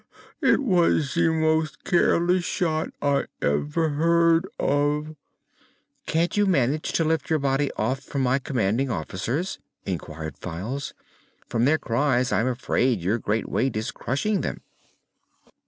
It was the most careless shot I ever heard of!" "Can't you manage to lift your body off from my commanding officers?" inquired Files. "From their cries I'm afraid your great weight is crushing them."